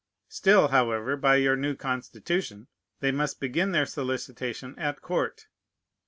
Still, however, by your new Constitution, they must begin their solicitation at court.